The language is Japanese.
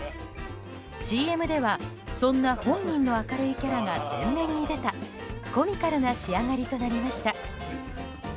ＣＭでは、そんな本人の明るいキャラが前面に出たコミカルな仕上がりとなりました。